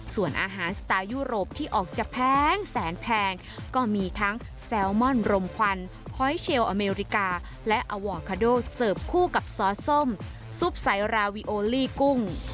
ส่วนอาหารสไตล์ยุโรปที่ออกจะแพงแสนแพงก็มีทั้งแซลมอนรมควันหอยเชลอเมริกาและอวอร์คาโดเสิร์ฟคู่กับซอสส้มซุปไซราวิโอลี่กุ้ง